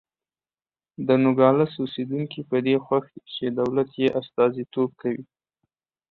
د نوګالس اوسېدونکي په دې خوښ دي چې دولت یې استازیتوب کوي.